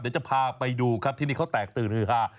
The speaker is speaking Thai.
เดี๋ยวจะพาไปดูครับที่นี่เขาแตกตื่นฮือฮา